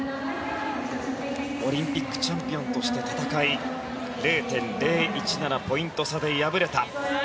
オリンピックチャンピオンとして戦い０．０１７ポイント差で敗れた。